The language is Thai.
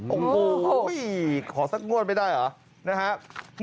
โอ้โหขอสักงวดไม่ได้เหรอนะครับ